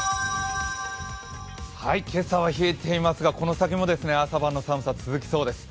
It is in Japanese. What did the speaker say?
今朝は冷えていますがこの先も朝晩の寒さ、続きそうです